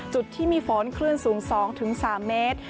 จุดที่มีฝนคลื่นสูง๒๓เมตร